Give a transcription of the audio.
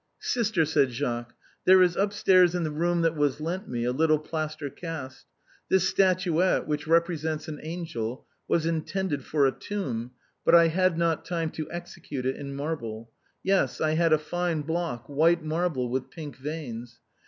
" Sister," said Jacques, " there is upstairs in the room that was lent me a little plaster cast. This statuette. francine's muff. 249 which represents an angel, was intended for a tomb, but I had not time to execute it in marble. Yes, I had a fine block — white marble with pink veins.